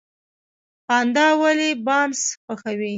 پاندا ولې بانس خوښوي؟